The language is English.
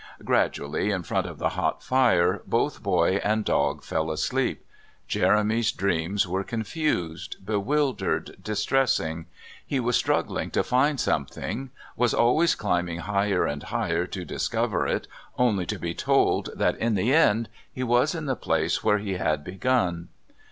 Gradually, in front of the hot fire, both boy and dog fell asleep. Jeremy's dreams were confused, bewildered, distressing; he was struggling to find something, was always climbing higher and higher to discover it, only to be told that, in the end, he was in the place where he had begun.